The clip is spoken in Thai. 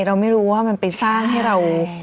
เราไม่รู้ว่ามันไปสร้างให้เรา